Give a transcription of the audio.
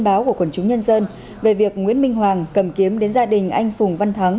báo của quần chúng nhân dân về việc nguyễn minh hoàng cầm kiếm đến gia đình anh phùng văn thắng